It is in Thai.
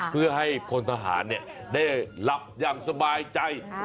เพื่อให้พลทหารได้หลับอย่างสบายใจ